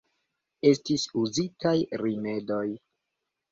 Estis uzitaj rimedoj.